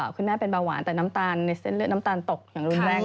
คุณแม่เป็นเบาหวานแต่น้ำตาลในเส้นเลือดน้ำตาลตกอย่างรุนแรง